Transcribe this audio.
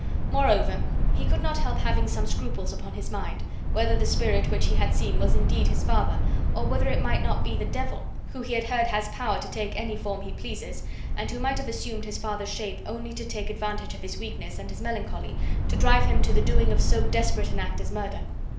Moreover, he could not help having some scruples upon his mind, whether the spirit which he had seen was indeed his father, or whether it might not be the devil, who he had heard has power to take any form he pleases, and who might have assumed his father's shape only to take advantage of his weakness and his melancholy, to drive him to the doing of so desperate an act as murder.